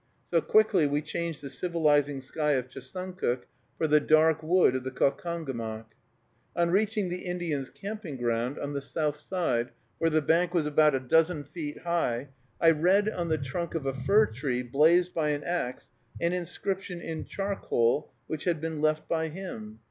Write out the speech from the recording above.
So quickly we changed the civilizing sky of Chesuncook for the dark wood of the Caucomgomoc. On reaching the Indian's camping ground, on the south side, where the bank was about a dozen feet high, I read on the trunk of a fir tree, blazed by an axe, an inscription in charcoal which had been left by him.